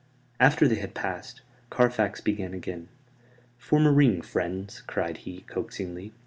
After they had passed, Carfax began again. "Form a ring, friends," cried he, coaxingly.